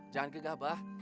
jangan gegah abah